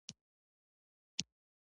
ـ د چا؟!